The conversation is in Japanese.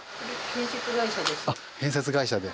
建設会社で。